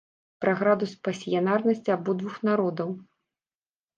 Пра градус пасіянарнасці абодвух народаў?